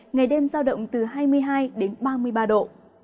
ngày đêm giao động từ hai mươi hai đến ba mươi ba độ